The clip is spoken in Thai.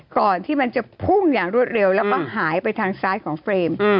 ก่อนที่มันจะพุ่งอย่างรวดเร็วแล้วก็หายไปทางซ้ายของเฟรม